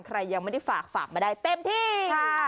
ใครยังไม่ได้ฝากฝากมาได้เต็มที่